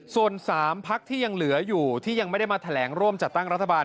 ส่วน๓พักที่ยังเหลืออยู่ที่ยังไม่ได้มาแถลงร่วมจัดตั้งรัฐบาล